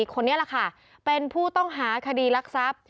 คนนี้แหละค่ะเป็นผู้ต้องหาคดีรักทรัพย์